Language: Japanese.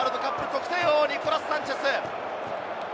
得点王のニコラス・サンチェス。